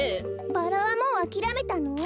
バラはもうあきらめたの？